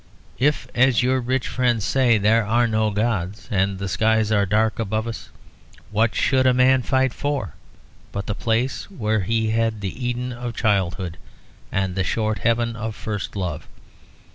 If, as your rich friends say, there are no gods, and the skies are dark above us, what should a man fight for, but the place where he had the Eden of childhood and the short heaven of first love?